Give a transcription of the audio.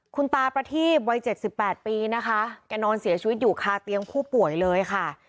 คุณตาประทีบวัย๗๘ปีนะคะแกนอนเสียชีวิตอยู่คาเตียงผู้ป่วยเลยค่ะ